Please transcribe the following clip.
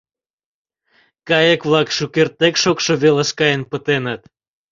Кайык-влак шукертак шокшо велыш каен пытеныт.